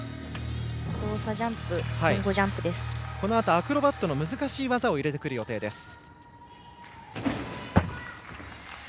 アクロバットの難しい技を入れてくる予定です。